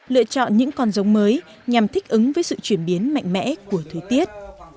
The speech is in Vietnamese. lựa chọn những con giống mới nhằm thích ứng với sự chuyển biến mạnh mẽ của thời tiết